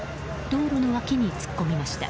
道路の脇に突っ込みました。